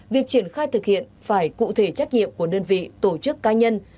việc triển khai thực hiện phải cụ thể trách nhiệm của đơn vị tổ chức cá nhân